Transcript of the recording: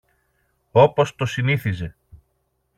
όπως το συνήθιζε